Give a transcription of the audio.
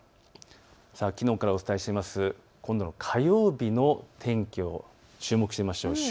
きのうからお伝えしています今度の火曜日の天気を注目してみましょう。